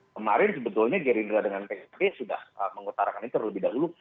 kemarin sebetulnya gerindra dengan psb sudah mengutarakan itu lebih dahulu